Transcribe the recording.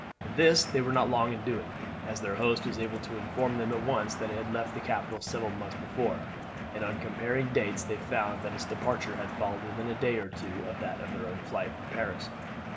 This they were not long in doing, as their host was able to inform them at once that it had left the capital several months before, and on comparing dates they found that its departure had followed within a day or two that of their own flight from Paris.